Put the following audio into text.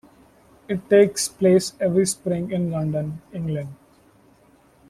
It takes place every spring in London, England.